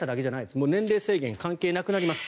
もう年齢制限が関係なくなります。